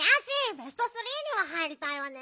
ベストスリーには入りたいわね。